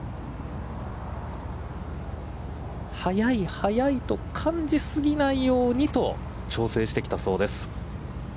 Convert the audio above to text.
速い速いと感じ過ぎないようにと調整してきたそうです。